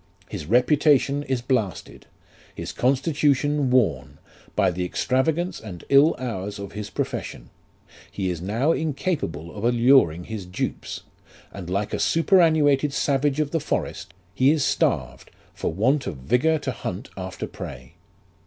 His reputation is blasted : his constitution worn, by the extravagance and ill hours of his profession ; he is now incapable of alluring his dupes, and like a superannuated savage of the forest, he is starved for want of vigour to hunt after prey.